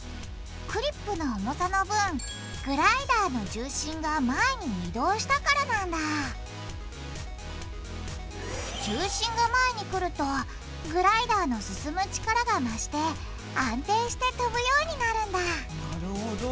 クリップの重さの分グライダーの重心が前に移動したからなんだ重心が前に来るとグライダーの進む力が増して安定して飛ぶようになるんだなるほど。